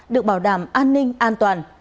được bảo đảm an ninh an toàn